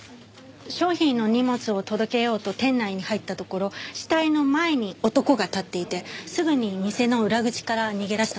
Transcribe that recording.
商品の荷物を届けようと店内に入ったところ死体の前に男が立っていてすぐに店の裏口から逃げ出したそうです。